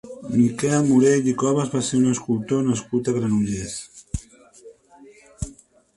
Miquel Morell i Covas va ser un escultor nascut a Granollers.